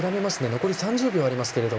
残り３０秒ありましたが。